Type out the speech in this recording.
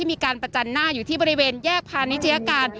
มีการประจันหน้าอยู่ที่บริเวณแยกพาณิชยาการ